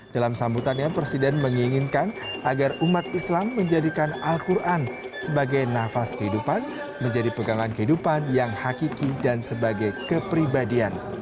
dalam sambutannya presiden menginginkan agar umat islam menjadikan al quran sebagai nafas kehidupan menjadi pegangan kehidupan yang hakiki dan sebagai kepribadian